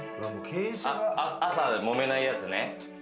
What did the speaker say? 朝、もめないやつね。